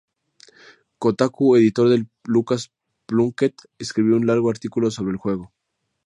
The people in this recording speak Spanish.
Kotaku, editor del Lucas Plunkett, escribió un largo artículo sobre el juego.